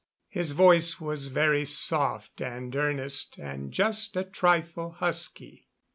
His voice was very soft and earnest and just a trifle husky.